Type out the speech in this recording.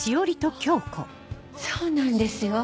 あそうなんですよ。